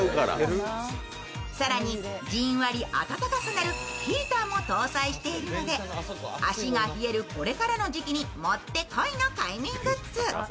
更にじんわり温かくなるヒーターも搭載しているので足が冷える、これからの時期にもってこいの快眠グッズ。